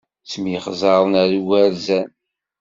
Ttemyexzaren ar igerzan.